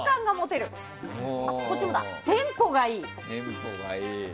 テンポがいい。